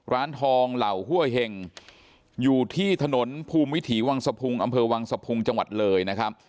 ร้านทองเหล่าห้วยเห็งอยู่ที่ถนนภูมิวิถีวังสะพุงอำเภอวังสะพุงจังหวัดเลยนะครับ